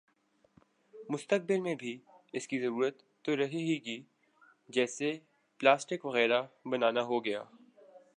مستقبل میں بھی اس کی ضرورت تو رہے ہی گی جیسے پلاسٹک وغیرہ بنا نا ہوگیا